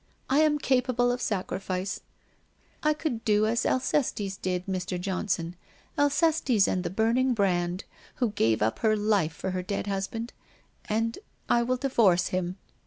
I am capable of sacrifice. I could do as Alcestes did, Mr. Johnson, Alcestes and the burning brand, who gave up her life for her dead husband, and I will divorce him.